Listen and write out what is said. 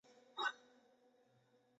扳机扣力很轻。